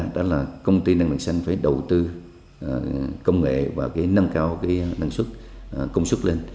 đó là công ty năng lượng xanh phải đầu tư công nghệ và nâng cao năng suất công sức lên